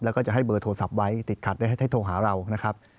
แล้วก็จะให้เบอร์โทรศัพท์ไว้ติดขัดได้ให้โทรหาเรานะครับ